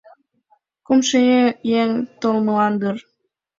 Кумшо еҥ толмылан дыр.